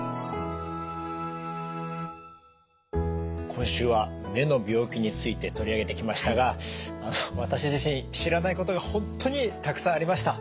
今週は目の病気について取り上げてきましたが私自身知らないことが本当にたくさんありました。